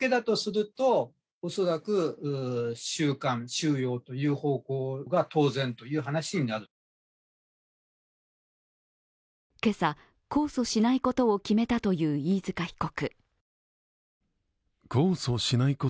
専門家は今朝、控訴しないことを決めたという飯塚被告。